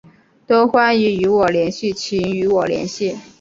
都欢迎与我联系请与我联系